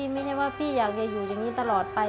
ไม่ใช่ว่าพี่อยากจะอยู่อย่างนี้ตลอดไป